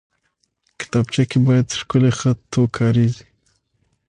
کتابچه کې باید ښکلی خط وکارېږي